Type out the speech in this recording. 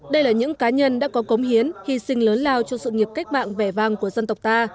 đây là những cá nhân đã có cống hiến hy sinh lớn lao cho sự nghiệp cách mạng vẻ vang của dân tộc ta